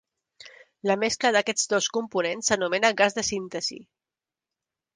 La mescla d'aquests dos components s'anomena gas de síntesi.